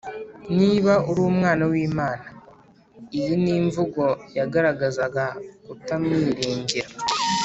. “Niba uri umwana w’Imana.” Iyi ni imvugo yagaragazaga kutamwiringira